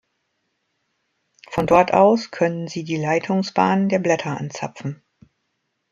Von dort aus können sie die Leitungsbahnen der Blätter anzapfen.